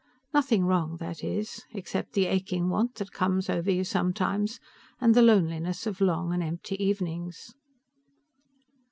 Nothing wrong, that is, except the aching want that came over you sometimes, and the loneliness of long and empty evenings.